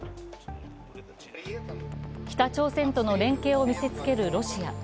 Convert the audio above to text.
北朝鮮との連携を見せつけるロシア。